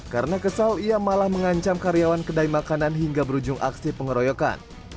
karena kesal ia malah mengancam karyawan kedai makanan hingga berujung aksi pengeroyokan